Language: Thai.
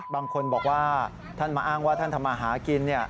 บางคนบอกว่าท่านมาอ้างว่าท่านทำมาหากิน